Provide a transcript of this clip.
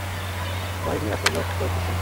Bike নিয়ে রাস্তা block করেছিস কেন?